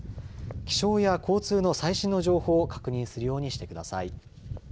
気象や交通の最新の情報を確認するようにしてください。